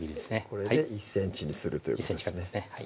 これで１ｃｍにするということですね